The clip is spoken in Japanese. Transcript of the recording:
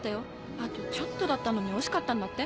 あとちょっとだったのに惜しかったんだって？